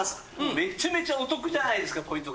めっちゃめっちゃお得じゃないですかポイント